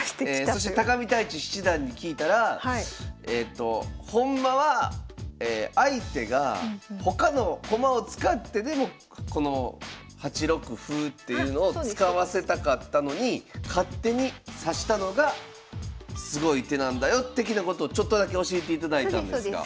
そして見泰地七段に聞いたらほんまは相手が他の駒を使ってでもこの８六歩っていうのを使わせたかったのに勝手に指したのがすごい手なんだよ的なことをちょっとだけ教えていただいたんですが。